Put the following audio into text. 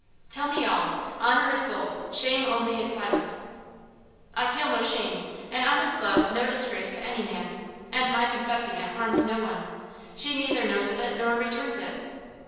"Tell me all; honour is bold shame only is silent." "I feel no shame an honest love is no disgrace to any man. And my confessing it harms no one. She neither knows of it nor returns it."